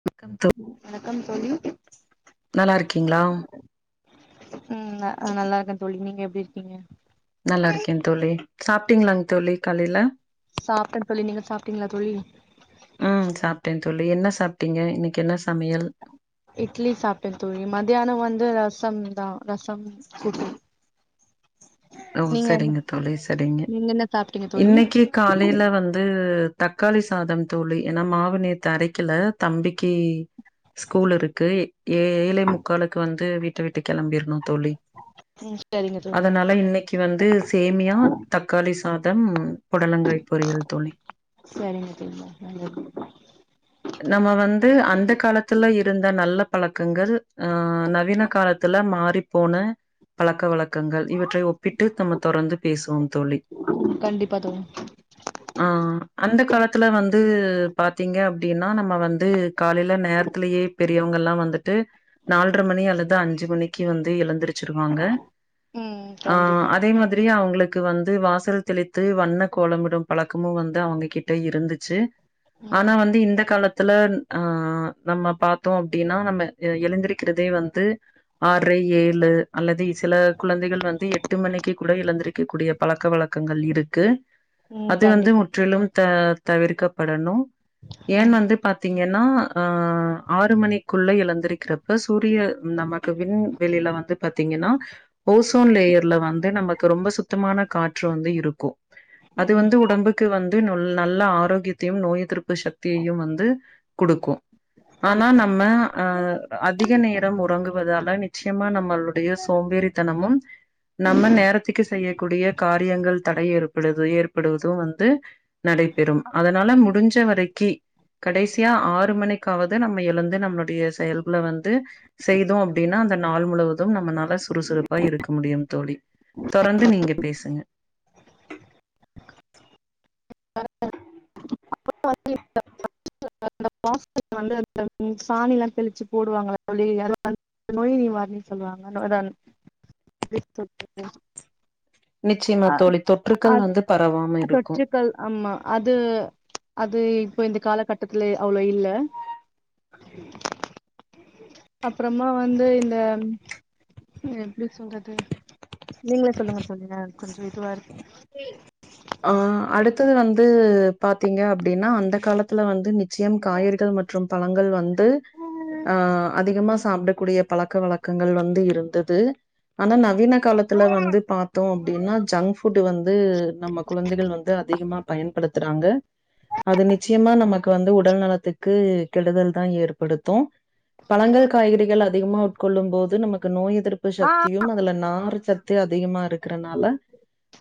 வணக்கம் தோ வணக்கம் தோழி நல்லா இருக்கீங்களா உம் ந நல்லா இருக்கே தோழி நீங்க எப்டி இருக்கீங்க நல்லா இருக்கே தோழி சாப்பிட்டீங்களாங்க் தோழி கலையில சாப்ட்டே தோழி நீங்க சாப்டீங்களா தோழி ம் சாப்ட்டே தோழி என்ன சாப்ட்டீங்க இன்னிக்கு என்னச் இட்லி சாப்ட தோழி மதியானொ வந்து ரசம் தா ரசம் கூட்டு ஓ நீங்க என்ன சரிங்க தோழி சரிங்க நீங்க என்ன சாப்ட்டீங்க தோழி இன்னைக்கு காலையில வந்து தக்காளி சாதம் தோழி ஏன்னா மாவு நேத்து அரைக்கல தம்பிக்கி ஸ்கூல் இருக்கு ஏ ஏழே முக்காளுக்கு வந்து விட் வீட்டு கெளம்பிறனு தோழி ம் சரிங்க தோழி அதனால இன்னைக் வந்து சேமியா தக்காளி சாதம் புடலங்காய் பொரியல் தோழி சரிங்க தோழி நல்லது நம்ம வந்து அந்த காலத்துல இருந்த நல்ல பழக்கங்கள் அஹ் நவீன காலத்துல மாறிப்போன பழக்க வழக் க்கங்கள் இவற்றை ஒப்பிட்டு நம்ம தொடர்ந்து பேசுவோம் தோழி ம் கண்டிப்பா தோழி ஆஹ் அந்த காலத் துல வந்து பாத்தீங்க அப் டின்னா நம்ம வந்து காலைல நேரத்துலயே பெ ரியவுங்களா வந்துட்டு நாள்ற மணி அல்லது அஞ்சு மணிக்கு வந்து எழுந்திரி ச்சுருவாங்க ம் ஆ கண்டிப்பா அதே மாதிரி அவங்க விளக்கு வந்து வாசல் தெளித்து வண்ண கோலமிடு பழக்கமு வந்து அவங்க கிட்ட இருந்துச்சு ம் ஆனா வந்து இந் ஒலத்துல ஆ நம்ம பாத்தோ அப்டினா நம்மே எ எழுந்திருக்கிறதே வந்து ஆர்ற ஏழு அல்லதி சில குழந்தைகள் வந்து எட்டு மணிக்கி கூட இழுந்துரிக்க கூடிய பழக்க வழக்கங்கள் இருக்கு ம் அதி வந்து கண்டிப்பா முற்றிலு த தவிர்க்கப்படணு ஏன் ம் வந்து பாத்தீங்கனா ஆ ஆறு மணிக்குள்ள எழந்தரிக்கிறப் இப்ப சூரிய நமக்கு விண்வெளில வந்து பத்தீங்கனா ஓசோன் லேயர்ல வந்து நமக் துரொம்ப சுத்தமான காற்று வந்து இருக்கு அது ம் வந்து உடம்புக்கு வந் திநுல் நல்ல ஆரோகெத்யு நோய் எதுர்புஷ் தீயு வந்து குடுக்கு ஆனா கண்டிப் நம்ம அ அதிக நேரம் உறங்குவதால நிச்யமா நம்மளுடிய சோம்பேறித்தனமும் நம்ம நேரத்துக்கு செய்யக்கூடிய காரியங்கள் தடை ஏற்படுது ஏற்படுவது வந்து நடைபெறு அதனால முடிஞ்ச வரை கி கடைசியா ஆறு மணிக்காவது நம்ம எழுந்து நம்ளுடிய செயல்குல வந்து செய்தோ அப்டின்னா அந்த நாள் முழுவதும் நம்ம நல்லஸ் சுறுசுறுப்பா இருக்க முடியு தோழி தொரந்து நீங்க பேசுங்க அப்பறோ வந்து இந்த [inaudible] இந்த வாசல்ல வந்து இந்த ம் சாணில்லா தெளிச்சு போடுவாங்கள தோழி அது வந்து நோய் நிவாரணினு சொல்லுவாங்க நோ அத மாரி சொல்லுவாங்க நிச்சயமா தோழி, தொற்றுகள் வந்து பரவாம இருக்கு தொற்றுக்கள் ஆமா அது அது இப்போ இந்த காலகட்டத்துல அவ்ளோ இல்ல அப்பறமா வந்து இந்த எப்டி சொல்றது, நீங்களே சொல்லுங்க தோழி அ கொஞ்சோ இதுவா இருக்கு ஆ, அடுத்தது வந்து பாத்தீங்க அப்டின்னா அந்த காலத்துல வந்து நி ச்சயம் காய்கறிகள் மற்றும் பழங்கள் வந்து அ அதிகமா சாப்ட கூடிய பழக்க வழக்கங்கள் வந்து இருந்தது ஆனா நவீன காலத்துல வந்து பாத்தோ அப்டின்னா ஜங்க் ஃபுட் வந் து நம்ம குழந்தைகள் வந்து அதிகமா பயன்படுத்துறாங்க அது நிச்சயமா நமக்கு வந்து உடல் நலத்துக்கு கெடுதல் தா ஏற்படுத்து, பழங்கள் காய்கறிகள் அதிகமா உட்கொள்ளும் போது நமக்கு நோய் எ திர்ப்பு சக்தியும் அதுல நார் சத்து அதிகமா இருக்கிறனால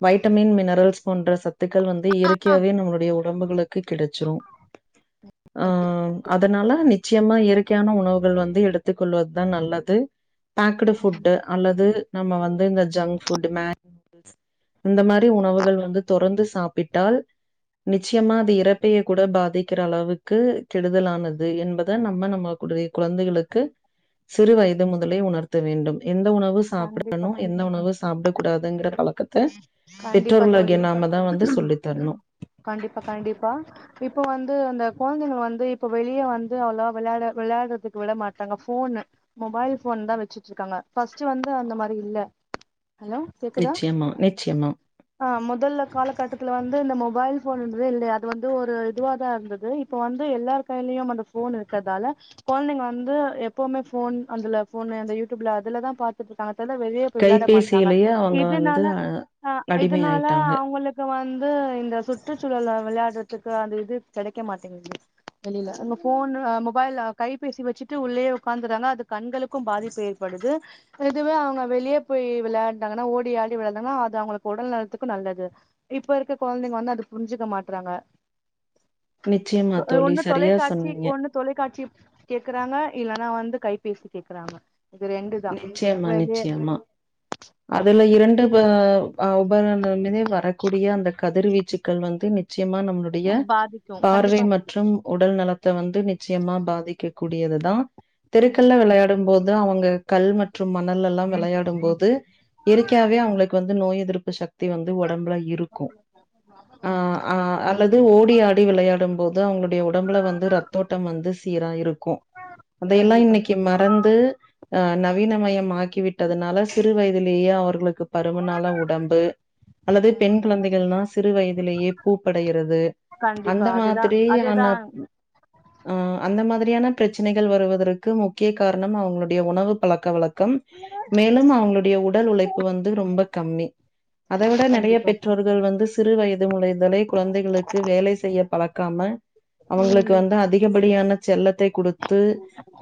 வைட்டமின் மினரல் போன்ற சத்துக்கள் வந்து இயற்க்கையவே நம்ளுடைய உ உடம்புகளுக்கு கிடைச்சிரு அ அதனால நிச் சியமா இயற்கையான உணவுகள் வந்து எடுத்துக்கொள்வதுதா நல்லது பேக்ட்டு ஃபுட்டு அல்லது நம்ம வந்து இந்த ஜங்க் ஃபுட் மேகி நூடுல்ஸ் இந்த மாரி உணவுகள் வந்து தொடந்து சாப்பிட்டால் நிச்சயமா அது இரைப்பையை கூட பாதிக்கிற அளவுக்கு கெடுதலானது என்பத நம்ம நம்மடைய குழந்தைகளுக்கு சிறு வயது முதலே உணர்த்த வேண்டும். எந்த உணவு கண்டிப்பா சாப்டணு, எந்த உணவு சாப்டக்கூடாதுங்கற பழக்கத் த்து கண்டிப்பா பெற்றொர்கள் தோழி கண்டிப்பா கண்டிப்பா இப்போ வந்து வந்து அந்த குழந்தைங்க வந்து இப்ப வெளிய வந்து அவ்ளோவா விளட விளையாடுறதுக்கு விட மாட்டாங்க போன்னு மொபைல் ஃபோன் தா வச்சிட்டு இருக்காங்க ஃபர்ஸ்ட் வந்து அந்த மாரி இல்ல ஹலோ கேக்குதா நிச்சயமா, நிச்சயமா ஆ முதல்ல காலகட்டத்துல வந்து இந்த மொபைல் போன்னுறதே இல்லைய அது வந்து ஒரு இதுவா தான் இருந்தது இப்ப வந்து எல்லார் கையிலயும் அந்த போன் இருக்கதால போன்ங்க வந்து எப்பவுமே போன் அதுல போன் யூடியூப்ல அதுலதான் பாத்துட்டு இருக்காங்க அதுனால வெளியே போய் விளையாட மாட்டறாங்க கைபேசியிலேயே அவங்க வந்து இதனால அ அ அடிமை இதனால ஆயிட்டாங்க. அவங்களுக்கு வந்து இந்த சுற்றுச்சூழல் விளையாடுறதுக்கு அந்த இது கிடைக்க மாட்டேங்குது வெளில போன் மொபைல் கைபேசி வச்சுட்டு உள்ளேயே உட்கார்ந்துறாங்க அது கண்களுக்கும் பாதிப்பு ஏற்படுது இதுவே அவங்க வெளியே போய் விளையாங்கன்னா ஓடி ஆடி விளையாடு அது அவங்களுக்கு உடல் நலத்துக்கும் நல்லது இப்ப இருக்க குழந்தைங்க வந்து அது புரிஞ்சுக்க மாட்றாங்க நிச்சயமா தோழி, ஒண்ணு சரியா தொலைக்காட்சி சொன்னீங்க. ஒண்ணு தொலைக்காட்சி கேக்குறாங்க இல்லனா வந்து கைபேசி கேக்குறாங்க இது ரெண்டுதா நிச்சயமா வெளிய நிச்சயமா அதுல இரண்டு உபா ஆஹ் உபகன உபகணமே வரக்கூடிய அந்த கதிர்வீச்சுகள்ள வந்து நிச்சயம் முக்கியமா நம்மளுடைய பாதிக்கு பார்வை கண்டிப்பா பாதிக்கு மற்றும் உடல் நலத்தை வந்து நிச்சயமா பாதிக்க கூடியதுதா ம் தெருக்கல்ல விளையாடும் போது அவங்க கல் மற்ற மற்றும் மணலெல்லா விளையாடும் போது இயற்கையாவே அவங்களுக்கு வந்து நோய் எதிர்ப்பு சக்தி வந்து உடம்புல இருக்கும் அ ம் அ கண்டிப்பா அல்லது ஓடி ஆடி விளையாடும் போது அவங்களுடைய உடம்புல வந்து ரத்தோட்டம் வந்து சீரா இருக்கும் அதையெல்லாம் கண்டிப்பா இன்னைக்கு மறந்து அ நவீனமயம் ஆக்கி விட்டதுனால ச இதுலையே அவர்களுக்கு பருமநாள உடம்பு அல்லது பெண் குழந்தைகள்னா சிறு வயதிலேயே பூப்படையிறது கண்டிப்பா அந்த அதுதா அதேதா மாதிரியான அ அந்த மாதிரியான பிரச்சினைகள் வருவதற்கு முக்கிய காரணம் அவங்களுடைய உணவு பழக்க வழக்க க்கம் மேலும் அவங்களுடைய உடல் உழைப்பு வந்து ரொம்ப கம்மி அதை விட நேறைய கண்டிப்பா பெற்றோர்கள் வந்து சிறு வயது முளைதலை குழந்தைகளுக்கு வேலை செய்ய பழக்க கம அவங்களுக்கு ம் வந்து அதிகப்படியான செல்லத்தை கொடுத்து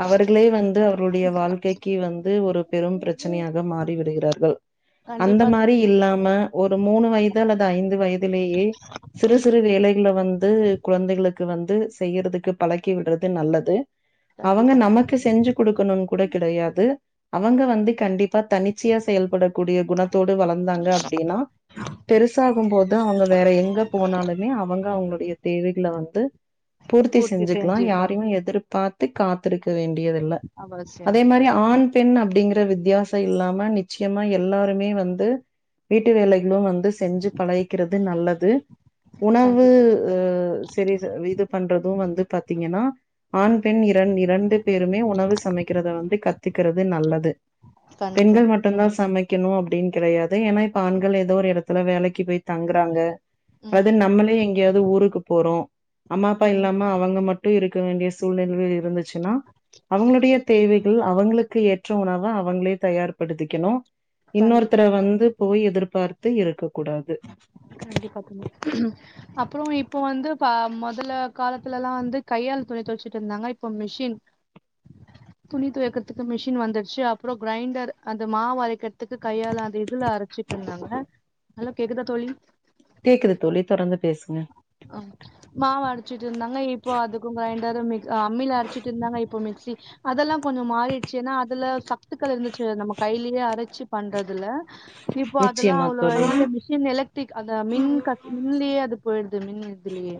அவர்களே வந்து அவருடைய வாழ்க்கைக்கு வந்து ஒரு பெரும் பிரச்சனையாக மாற விடுகிறார்கள் அந்த கண்டிப்பா மாரி தோழி இல்லாம ஒரு மூணு வயது அல்லது ஐந்து வயதிலேயே சிறு சிறு வேலைகளை வந்து குழந்தைகளுக்கு வந்து செய்யறதுக்கு பழக்கி விடுறது நல்லது அவங்க கண்டிப்பா நமக்கு செஞ்சு கொடுக்கணும்னு கூட கிடையாது அவங்க வந்து கண்டிப்பா தனி தியா செயல்படக்கூடிய குணத்தோடு வளந்தாங்க அப்டினா பெருசாகும் போது அவங்க வேற எங்க போனாலுமே அவங்க அ உங்களுடைய தேவைகள வந்து பூர்த்தி செஞ்சுக்லா யாரையூ எதிர்ப்பாத் து காத்திருக்க வேண் டியதில்ல அவசியம் அதே மாரி ஆண் பெண் அப்டிங் [unintelligible] வித்தியாச இல்லாம் ப நிச்சயமா எல்லாருமே வந்து வீட்டு வேலைகளூ வந் து செஞ்சு பழகிக்கிறது நல்லது உணவு கண்டி உ செரி ஸ் இது பண்றதூ வந்து பாத்தீங்கன்னா ஆண் பெண் இரண் இரண்டு பேருமே உணவு சமைக்கிறத வந்து கத்துக்கிறது நல்லது கண்டிப்பா பெண்கள் மட்டுந்தா சமைக் கிணூ அப்டின்னு கெடையாத் து ஏனா இப்ப ஆண்கள் ஏதோ ஒரு எடத் த்துல வேலைக்கு போய் தங்குறாங்க அது ம் நம்மளே எங்கேயாவ்து ஊருக்கு போறோ அம்மா அப்பா ம் இல்லாம அவங்க மட்டூ இருக் க வேண்டிய சூழ்நிலையில் இருந்துச் சுன்னா அவுங்களுடைய தேவைக் கு அவுங்களுக்கு ஏற்ற உணவ அவங்களேத் தயார் படுத்திக்கணூ இன்னொருத்தர கண்டிப்பா வந்து போய் எதிர்பார்த்து இருக்க கூடாது கண்டிப்பா குனி அப் ப்றோ இப்ப வந்து கா மொதல்ல காலத்துலல்லா வந்து கையால் துணி துவச்சுட்ருந்தாங்க இப்ப மிஷின் துணி துவக்கிறதுக்கு மிஷின் வந்துடுச்சு அப்றோ க்ரைண்டர் அந்த மாவு அரைக்கிறதுக்கு கையால அந்த இதுல அரச்சிட்ருந்தாங்க நல்லா கேக்குதா தோழி கேக்குது தோழி தொடர்ந்து பேசுங்க ஆ மாவரச்சுட் ட்ருந்தாங்க இப்போ அதுக்கூ க்ரைண்ட் செராமிக் ஆ அம்மில அரச்சிட்ருந்தாங்க இப்ப மிக்சி அதல்லா கொஞ்சோ மாறிடுச்சு ஏனா அதுல சத்துக்கள் இருந்துச்சு நம்ம கையிலயே அரச்சு பண்றதுல இப்போ அதல்லா நிச்சயமா அவ்ளோ தோழி இல்ல மிஷின் எலக்ட்ரிக் அந்த மின் கத் மின்லயே அது போயிடுது து மின் இதுலயே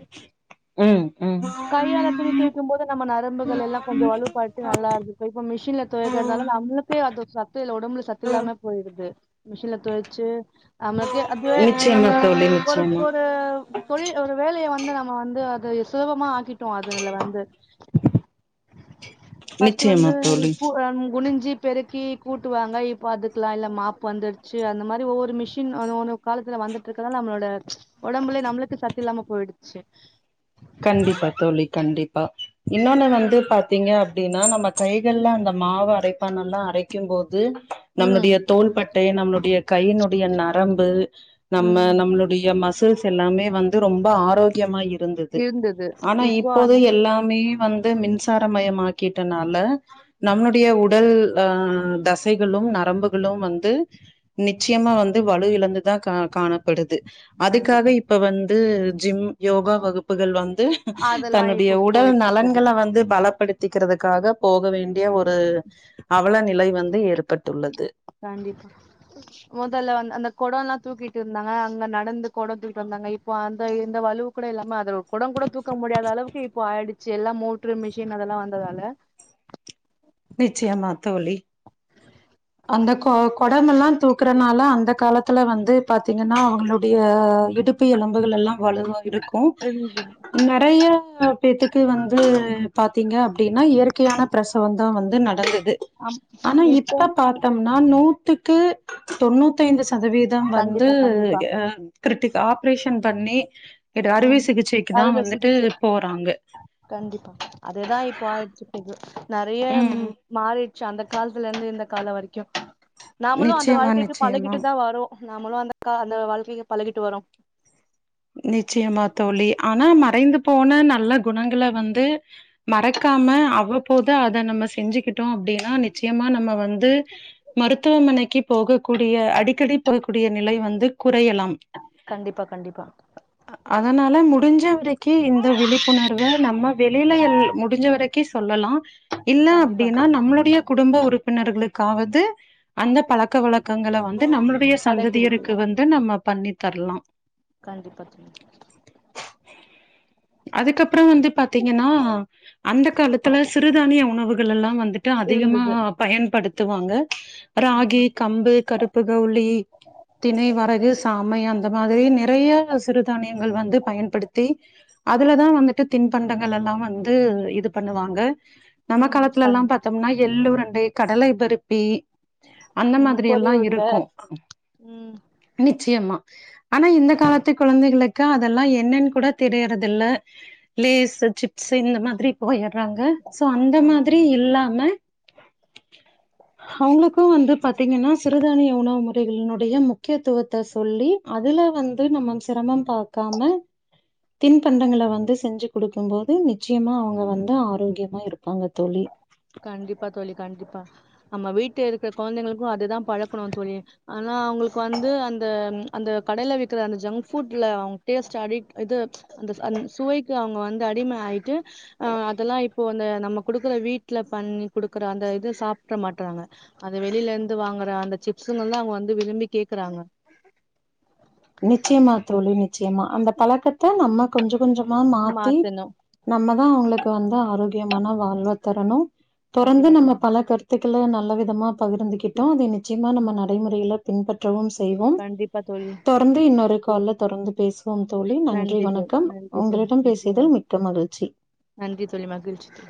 ம் ம் கையால துணி துவைக்கும் போது நம்ம நரம்புகளெல்லா கொஞ்சோ வலுப்பட்டு நல்லா இருந்துக்கூ இப்ப மிஷின்ல துவக்கறதால நம்மளுக்கே அது ச து இல்ல ஒடம்புல சத்துல்லாம போயிடுது மிஷின்லத்துவச்சு நமக்கு அது நிச்சயமா நம்ம தோழி ஒரு நிச்சயமா ஒரு தொழில் ஒரு வேலைய வந்து நம்ம வந்து து ஸ்லோவா மா ஆகிட் ட்டு அதுனால வந்து ஃபஸ்ட்டு நிச்சயமா வந்து தோழி கூ அன் குனிஞ் ஞ்சி பெருக்கி கூட்டுவாங்க இப்ப அதுக்கெல்லா இல்ல மாப்பு வந்துடுச்சு அந்த மாரி ஒவ்வொரு மிஷின் [unintelligible] ஒரு காலத்துல வந்துட்ருக்கறனால நம்மளோட ஒடம்புல நம்மளுக்கு சத்து இல்லாம போயிடுச்சு கண்டிப்பா தோழி கண்டிப்பா இன்னோன்னு வந்து பாத்தீங்க அப்டின்னா நம்ம கைகள்ல அந்த மாவு அரைப்பானல்லா அரைக்கும் போ து ம் நம்ளுடைய தோள்பட்டை நம்ளுடைய கையினுடைய நரம்பு நம்ம ம் நம்ளுடைய மசில்ஸ் தெல்லாமே வந்து ரொம்ப ஆரோக்கியமா இரு இருந்தது ஆனா இப்போ இப்போது அந்த மா எல்லாமே வந் து மின்சாரமயமாக்கிட்டனால ம் நம்ளுடைய உடல் லு தசைகளு நரம்புகளு வந்து நிச்சயமா வந்து வலு இழந்து தா கா காணப்படுது அதுக்காக கண்டிப்பா இப்ப வந்து ஜிம் யோகா வகுப்பு கள் வந் து அதெல்லா தன்னுடைய இப்ப உடல் போயிட்டு இருக்குது நலன்கள வந்து பலப்படுத் திக்கிறதுக்காக போக வேண் டிய ஒரு அவல நிலை வந்து இருக் பட்டுள்ளது கண்டிப்பா மொதல்ல வந்து அந்த கொடோ எல்லா தூக்கிட்டு இருந்தாங்க அங்க நடந்து கொடோ தூக்கிட்டு வந்தாங்க இப்போ அந்த இந்த வலுவ் கூட இல்லாம அதுல கொடங்கூட தூக்க முடியாத அளவுக்கு இப்போ ஆயிடுச்சு எல்லா மோட்ரு மிஷின் அதெல்லா வந்ததால நிச்சயம்மா தோழி அந்த கொ கொடமெல்லா தூக்கறனால அந்த காலத்துல வந்து பாத்தீங்கன்னா அவங்களு டைய இடுப்பு எலும்புகள் எல்லா வலுவா இருக்கு இருந்தது. நெறைய பேத்துக்கு வந்து பாத்தீங்க அப்டின்னா இயற்கையான பிரசவம் சவம் வந்து நடந்து து ஆம் ஆனா இப்போ இப்ப பாத்தம்னா நூத் துக்கு தொண்ணூத் தைந்து சதவீதம் வந்து கண்டிப்பா கண்டிப்பா ஆ கிரிட்டிக் ஆப்ரேஷன் பண்ணி இது அறுவை ம் சிகிச்சைக்கு தா அறுவ வந்துட்டு சிகிச்சை போறாங்க கண்டிப்பா அதுதா இப்போ ஆயிருச்சு பொது நெறைய ம் மாறி அந்த காலத்துலருந்து இந்த காலொ வரைக்கு நாமளு அந்த நிச்சயமா வாழ்க்கைக்கு நிச்சயமா பழகிட்டுதா வரோ நாமளும் அந்த கா அந்த வாழ்க்கைக்கு பழகிட்டு வரோ நிச்சயமா தோழி ஆனா மறைந்து போன நல்ல குணங்கள வந்து மறக்காம அவ்வப்போது அத நம்ம செஞ்சுக்கிட்டோ அப்டின்னா நிச்சயமா நம்ம வந் து மருத்துவமனைக்கி போகக்கூடிய அடிக்கடி போக்கூடிய நிலை வந்து குறையலாம் கண்டிப்பா கண்டிப்பா அதனால முடிஞ்ச வரை கி இந் விழிப்புணர்வ நம்ம வெளில முடிஞ்ச வரைக்கி சொல்லலா இல்ல கண்டிப்பா அப்டினா நம்மளுடைய குடும்ப உறுப்பினர்களுக் காவது அந்த பழக்க வழக்கங்கள வந் து நம்மளுடைய கடைபிடிக்கல சந்ததியருக்கு வந்து நம்ம பண்ணித் தரலா கண்டிப்பா தோழி அதுக்கப் றம் வந்து பாத்தீங்கனா அந்த காலத்துல சிறுதானிய உணவு கலெல்லா வந் துண்டு அதிகமா இருந்தது பயன்படுத் த்துவாங்க ம் ராகி கம்பு கருப்பு கவுலி தினை வரகு சாமை அந்த மாதிரி நிறைய சிறுதானியங்கள் வந்து பயன்படுத்தி அதுலதா வந்துட்டு தின்பண்டங்களெல்லா வந்து இது பண்ணுவாங்க நம்ம ம் காலத்துல கண் எல்லாம் பாத்தம்னா எள் ளுருண்டை கடலை பருப்பி அந்த ம் மாதிரி பொறி எல்லா உருண்ட இருக்கு ம் நிச்சயமா ஆனா இந்த காலத்துக் குழந்தைகளுக்கு அதெல்லா என்னன்னு கூட தெரியற தில்ல லேஸ் சிப்ஸ் இந்த மாதிரி போயர் றாங்க சோ அந்த ஆமா மாதிரி இல்லாம அவங்களுக்கு வந்து பாத்தீங்கன்னா சிறுதானிய உணவு முறைகளினுடைய முக்கியத்துவத்த சொல்லி அதுல வந்து நம்ம சிரமம் பாக்காம தின்பண்டங்கள வந்து செஞ்சு கொடுக்கும் போது நிச்சயமா அவங்க வந்து ஆரோக்கியமா இருப்பாங்க தோழி கண்டிப்பா தோழி கண்டிப்பா நம்ம வீட்ல இருக்கிற கொழந்தைங்களுக்கு அதுதா பழக்கணு தோழி ஆனா அவங்ளுக்கு வந்து அந்த அந்த கடைல விக்கிற அந்த ஜங்க் ஃபுட்ல அவங்க டேஸ்ட் அடிக் இது அந்த அந்த சுவைக்கு அவங்க வந்து அடிம ஆயிட்டு அஹ் அதெல்லா இப்போ அந்த நம்ம குடுக்குற வீட் ட்ல பண்ணி குடுக்குற அந்த இது சாப்பிட மாட்டறாங்க அத வெளில இருந்து வாங்குற அந்த சிப்சுங்கெல்லா அவங்க வந்து விரும்பி கேக்குறாங்க நிச்சயமா தோழி நிச்சயமா அந்த பழக்கத்த நம்ம கொஞ்சம் கொஞ்சமா மாத்தி மாத்தணு நம்ம தான் அவங்களுக்கு வந்து ஆரோக்கியமான வாழல்வ தரணும் தொடர்ந்து கண்டிப்பா நம்ம தோழி பல கருத்து த்துல நல்ல விதமா பகிர்ந்துகிட்டோ அது நிச்சயமா நம்ம நடைமுறையில பின்பற்றவு செ கண்டிப்பா தோழி, தொடர்ந்து இன்னொரு கால்ல தொடர்ந்து பேசுவோம் தோழி, நன்றி தோழி வணக்கம், நன்றி தோழி உங்களிடம் நன்றி பேசியதில் வணக் மிக்க மகிழ்ச்சி நன்றி தோழி மகிழ்ச்சி தோழி.